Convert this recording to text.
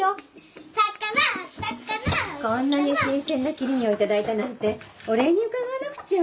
こんなに新鮮な切り身を頂いたなんてお礼に伺わなくちゃ。